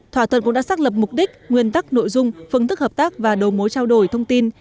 thỏa thuận cũng đã xác lập mục đích nguyên tắc nội dung phương thức hợp tác và đầu mối trao đổi thông tin